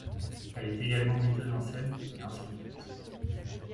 Elle est également metteuse en scène et enseignante.